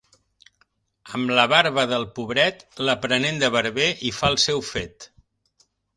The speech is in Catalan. Amb la barba del pobret, l'aprenent de barber hi fa el seu fet.